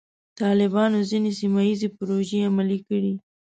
طالبانو ځینې سیمه ییزې پروژې عملي کړې.